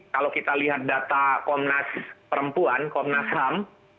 kalau kita lihat data komnas perempuan komnas ham